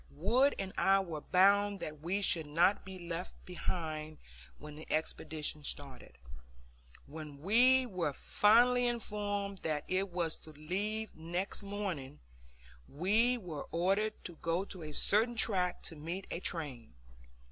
Wood and I were bound that we should not be left behind when the expedition started. When we were finally informed that it was to leave next morning, we were ordered to go to a certain track to meet a train.